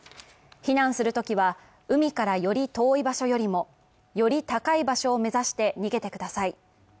避難するときは、海からより遠い場所よりもより高い場所を目指して逃げてください。